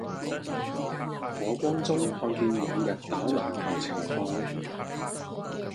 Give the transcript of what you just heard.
火光中看見往日打籃球情況